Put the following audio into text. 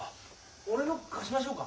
俺の貸しましょうか？